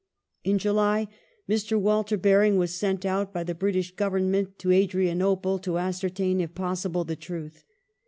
In July Mr. Walter Baring was sent by the British Government to Adrianople to ascertain, if possible, the truth.